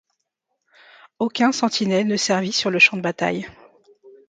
Aucun Sentinel ne servit sur le champ de bataille.